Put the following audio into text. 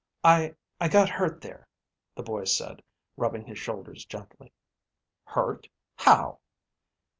"I ... I got hurt there," the boy said, rubbing his shoulders gently. "Hurt? How?"